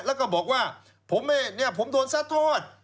แล้วก็บอกว่าผมโดนซัดทอด